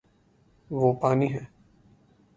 وہ پانی ہے